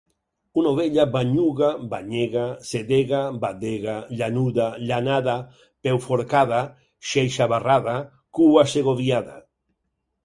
Una ovella banyuga, banyega, sedega, badega, llanuda, llanada, peuforcada, xeixabarrada, cua-segoviada;